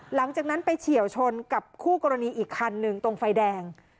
หลังจากนั้นไปเฉียวชนกับคู่กรณีอีกคันหนึ่งตรงไฟแดง